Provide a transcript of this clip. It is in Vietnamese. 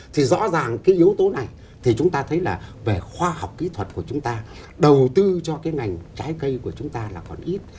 thì rõ ràng cái yếu tố này thì chúng ta thấy là về khoa học kỹ thuật của chúng ta đầu tư cho cái ngành trái cây của chúng ta là còn ít